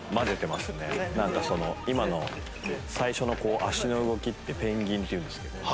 なんか今の最初の足の動きってペンギンっていうんですけど。